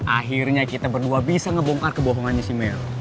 akhirnya kita berdua bisa ngebongkar kebohongannya si mel